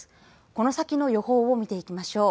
この先の予報を見ていきましょう。